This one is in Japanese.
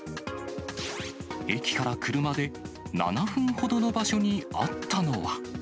駅から車で７分ほどの場所にあったのは。